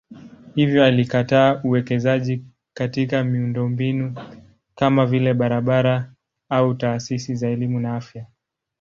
Hivyo alikataa uwekezaji katika miundombinu kama vile barabara au taasisi za elimu na afya.